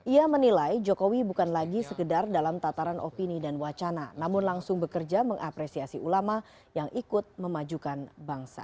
ia menilai jokowi bukan lagi sekedar dalam tataran opini dan wacana namun langsung bekerja mengapresiasi ulama yang ikut memajukan bangsa